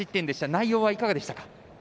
内容はいかがでしたか？